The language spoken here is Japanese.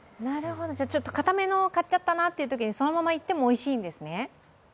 ちょっと固めのを買っちゃったなというときも、そのままいってもおいしいんですね。